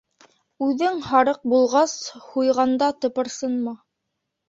Үҙең һарыҡ булғас, һуйғанда тыпырсынма.